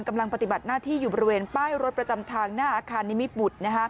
กำลังปฏิบัติหน้าที่อยู่บริเวณป้ายรถประจำทางหน้าอาคารนิมิตบุตร